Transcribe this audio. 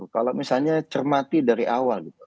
kalau misalnya cermati dari awal gitu